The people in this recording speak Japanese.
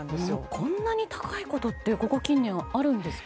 こんなに高いことってここ近年ではあるんですか。